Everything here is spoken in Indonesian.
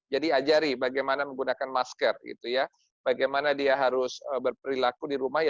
jadi ajari bagaimana menggunakan masker bagaimana dia harus berperilaku di rumah